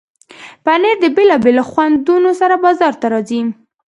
پنېر د بیلابیلو خوندونو سره بازار ته راځي.